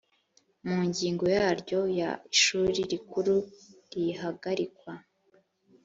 mu ngingo yaryo ya ishuri rikuru rihagarikwa